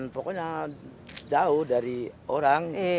pokoknya jauh dari orang